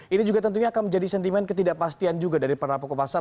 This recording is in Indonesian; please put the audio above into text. ini juga tentunya akan menjadi sentimen ketidakpastian juga dari para pokok pasar